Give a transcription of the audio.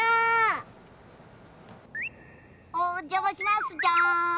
おっじゃましますじゃーん。